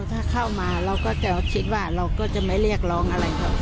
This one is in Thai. ถ้าเข้ามาเราก็จะคิดว่าเราก็จะไม่เรียกร้องอะไรครับ